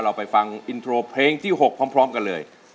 เราไปฟังอินโทรเพลงที่๖พร้อมกันเลย